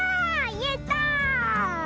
やった！